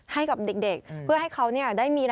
ให้กับเด็กเพื่อให้เขาได้มี